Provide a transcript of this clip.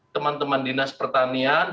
teman teman dinas pertanian